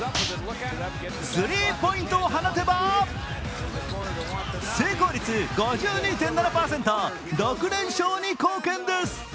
スリーポイントを放てば成功率５２．７％、６連勝に貢献です。